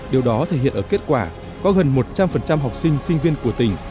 điều đó thể hiện ở kết quả có gần một trăm linh học sinh sinh viên của tỉnh